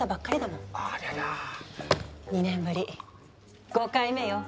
２年ぶり５回目よ。